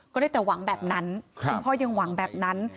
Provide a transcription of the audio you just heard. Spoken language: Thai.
ได้แต่หวังแบบนั้นคุณพ่อยังหวังแบบนั้น